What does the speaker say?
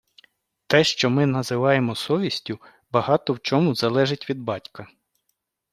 Те, що ми називаємо совістю, багато в чому залежить від батька.